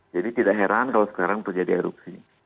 jadi tidak heran kalau sekarang terjadi erupsi